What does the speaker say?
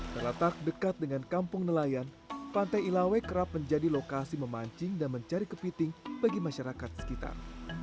terletak dekat dengan kampung nelayan pantai ilawe kerap menjadi lokasi memancing dan mencari kepiting bagi masyarakat sekitar